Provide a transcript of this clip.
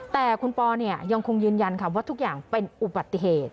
แต่คุณปอยังคงยืนยันค่ะว่าทุกอย่างเป็นอุบัติเหตุ